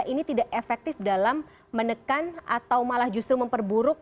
ini tidak efektif dalam menekan atau malah justru memperburuk